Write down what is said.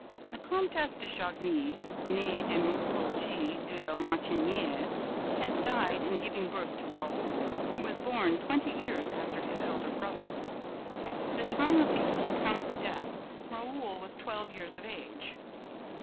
The Comtesse de Chagny, nee de Moerogis de La Martyniere, had died in giving birth to Raoul, who was born twenty years after his elder brother. At the time of the old count's death, Raoul was twelve years of age.